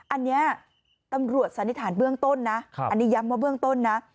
อันนี้ตำรวจสันนิษฐานเบื้องต้นนะอันนี้ย้ำว่าเบื้องต้นนะ